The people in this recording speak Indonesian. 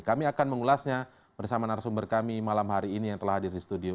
kami akan mengulasnya bersama narasumber kami malam hari ini yang telah hadir di studio